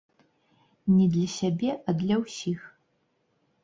Не для сябе, а для ўсіх.